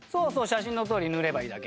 写真のとおり塗ればいいだけ。